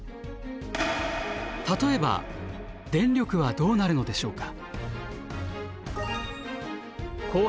例えば電力はどうなるのでしょうか。